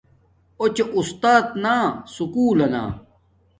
اُوچے اُستات نا سکُول لنا